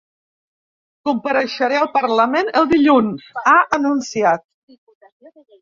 Compareixeré al parlament el dilluns, ha anunciat.